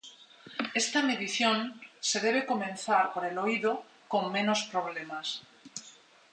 Esta medición se debe comenzar por el oído con menos problemas.